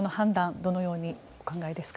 どのようにお考えですか？